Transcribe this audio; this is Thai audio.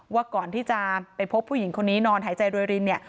ว่าก่อนที่จะไปพบผู้หญิงคนนี้นอนหายใจรวยรินเนี่ย